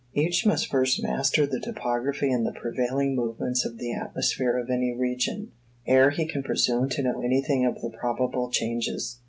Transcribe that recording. Each must first master the topography and the prevailing movements of the atmosphere of any region, ere he can presume to know anything of the probable changes.